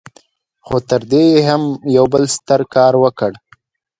خو تر دې يې هم يو بل ستر کار وکړ.